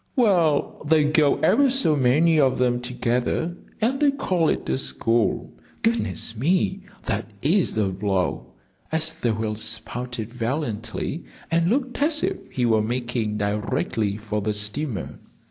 "Well, they go ever so many of them together, and they call it a school. Goodness me that is a blow!" as the whale spouted valiantly, and looked as if he were making directly for the steamer.